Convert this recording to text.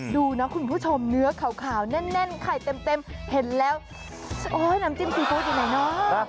ดูนะคุณผู้ชมเนื้อขาวแน่นไข่เต็มเห็นแล้วโอ๊ยน้ำจิ้มซีฟู้ดอยู่ไหนเนาะ